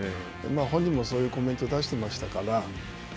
本人もそういうコメントを出してましたから。